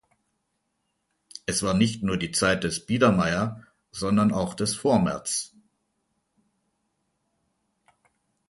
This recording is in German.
Es war nicht nur die Zeit des Biedermeier, sondern auch des Vormärz.